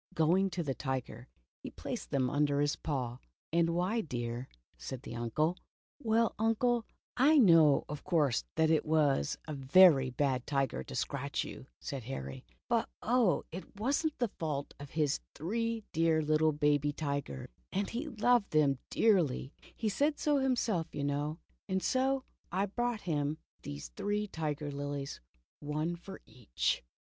Going to the tiger, he placed them under his paw. "And why, dear?" said his uncle. ''Well, Uncle, I know, of course, that he was a very bad tiger to scratch you," said Harry, "but oh, it was n't the fault of his three dear little baby tigers — and he loved them dearly — he said so him self, you know, and so — I brought him these three tiger lilies, one for each."